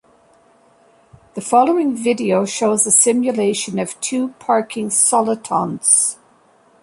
The following video shows a simulation of two parking solitons.